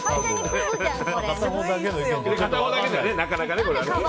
片方だけじゃ、なかなかね。